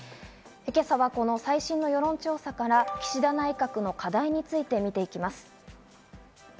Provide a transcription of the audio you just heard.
今朝はこの最新の世論調査から岸田内閣の課題について見ていきます。